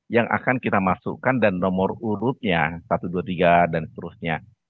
yang akan kita masukkan dan nomor urutnya satu dua tiga dan seterusnya